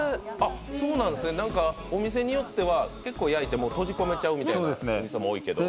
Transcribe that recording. お店によっては、結構焼いて閉じ込めちゃう店も多いけど。